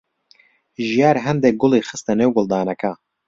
ژیار هەندێک گوڵی خستە نێو گوڵدانەکە.